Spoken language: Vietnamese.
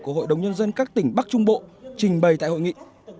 của hội đồng nhân dân các tỉnh bắc trung bộ trình bày tại hội nghị